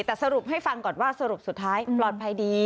แต่สรุปให้ฟังก่อนว่าสรุปสุดท้ายปลอดภัยดี